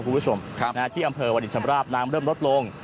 คุณผู้ชมครับนะฮะที่อำเภอวัดิชัมปราบน้ำเริ่มลดลง